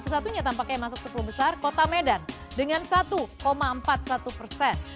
satu satunya tampaknya masuk sepuluh besar kota medan dengan satu empat puluh satu persen